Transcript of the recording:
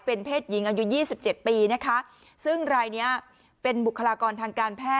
เป็นเพศหญิงอายุ๒๗ปีนะคะ